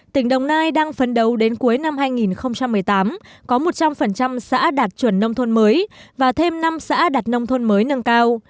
tỉnh đồng nai đang phấn đấu đến cuối năm hai nghìn một mươi tám có một trăm linh xã đạt chuẩn nông thôn mới và thêm năm xã đạt nông thôn mới nâng cao